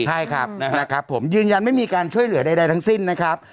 ใช่ครับนะครับผมยืนยันไม่มีการช่วยเหลือใดทั้งสิ้นนะครับ